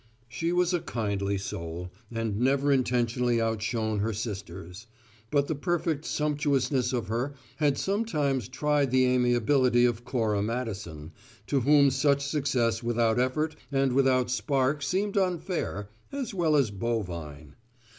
She was a kindly soul, and never intentionally outshone her sisters; but the perfect sumptuousness of her had sometimes tried the amiability of Cora Madison, to whom such success without effort and without spark seemed unfair, as well as bovine.